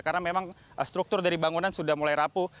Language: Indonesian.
karena memang struktur dari bangunan sudah mulai rapuh